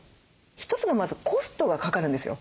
一つがまずコストがかかるんですよ。